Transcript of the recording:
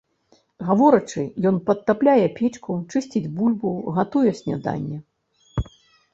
Гаворачы, ён падтапляе печку, чысціць бульбу, гатуе сняданне.